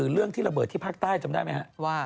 เรื่องที่ระเบิดที่ภาคใต้จำได้ไหมครับ